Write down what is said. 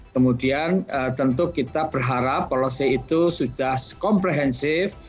kemudian tentu kita berharap polisi itu sudah komprehensif